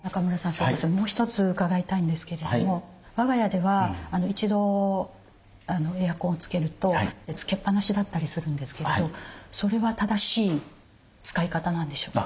すいませんもう一つ伺いたいんですけども我が家では一度エアコンをつけるとつけっぱなしだったりするんですけれどそれは正しい使い方なんでしょうか？